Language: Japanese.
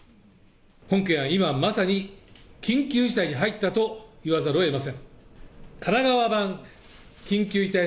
本県は今まさに緊急事態に入ったと言わざるをえません。